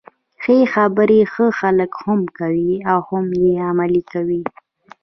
ښې خبري ښه خلک هم کوي او هم يې عملي کوي.